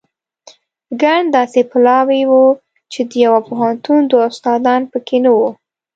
ګڼ داسې پلاوي وو چې د یوه پوهنتون دوه استادان په کې نه وو.